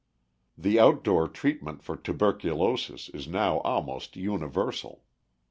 ] The outdoor treatment for tuberculosis is now almost universal.